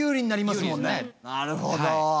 なるほど！